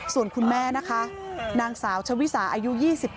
ส่วนคุณแม่นะคะนางสาวชวิสาอายุ๒๗